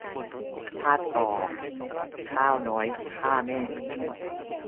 ธาตุก่องข้าวน้อยฆ่าแม่